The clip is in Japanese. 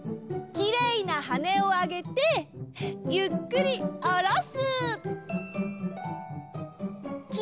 きれいなはねをあげてゆっくりおろす。